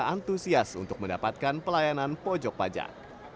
antusias untuk mendapatkan pelayanan pojok pajak